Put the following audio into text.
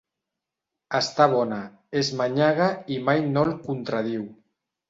Està bona, és manyaga i mai no el contradiu.